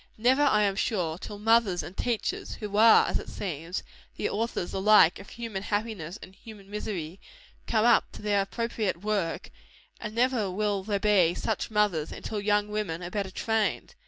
Never, I am sure, till mothers and teachers, who are, as it seems, the authors alike of human happiness and human misery, come up to their appropriate work; and never will there be such mothers, till young women are better trained.